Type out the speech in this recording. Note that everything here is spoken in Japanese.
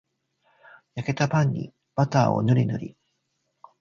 焼けたパンにバターぬりぬり